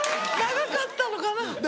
長かったのかな。